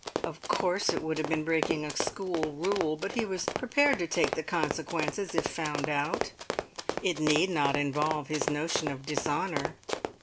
Of coure it would have been breaking a school rule, but he was prepared to take the consequences if found out; it need not involve his notion of dishonour.